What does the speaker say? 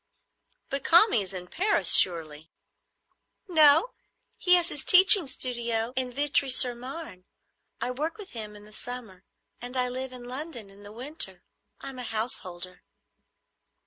"But Kami is in Paris surely?" "No; he has his teaching studio in Vitry sur Marne. I work with him in the summer, and I live in London in the winter. I'm a householder."